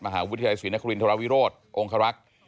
มหาวิทยาลัยศรีนครินทรวิโรธองคารักษ์